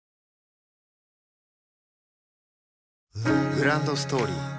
グランドストーリー